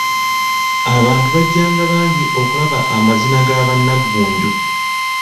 Abantu bajjanga bangi okulaba amazina ga bannaggunju.